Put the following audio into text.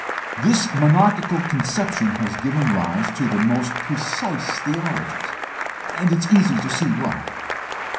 This monarchical conception has given rise to the most precise theologies. It is easy to see why.